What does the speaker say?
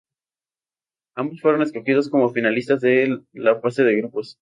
Ambos fueron escogidos como finalistas en la fase de grupos.